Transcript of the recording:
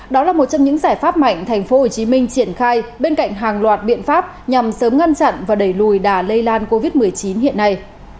đó là một trong những giải pháp mạnh tp hcm triển khai bên cạnh hàng loạt biện pháp nhằm sớm ngăn chặn và đẩy lùi đà lây lan covid một mươi chín hiện nay